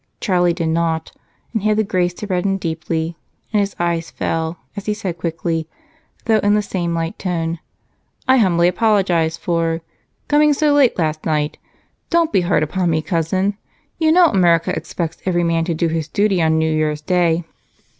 Charlie did not, and had the grace to redden deeply, and his eyes fell as he said quickly, though in the same light tone: "I humbly apologize for coming so late last night. Don't be hard upon me, Cousin. You know America expects every man to do his duty on New Year's Day."